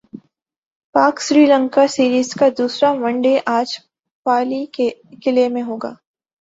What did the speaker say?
پاک سری لنکا سیریز کا دوسرا ون ڈے اج پالی کیلے میں ہوگا